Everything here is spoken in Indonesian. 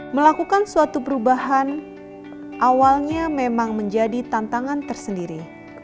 melakukan suatu perubahan awalnya memang menjadi tantangan tersendiri